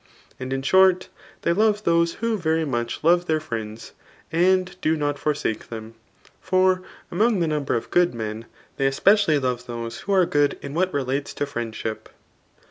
And in short, they love those who very much love thar friends, and do not forsake them ; for amoog the number of good men, they especially love those who are good in what relates to friendship.